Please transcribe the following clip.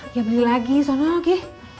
ya beli lagi sama lagi